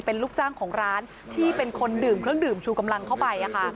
เป็นลูกจ้างของร้านที่เป็นคนดื่มเครื่องดื่มชูกำลังเข้าไป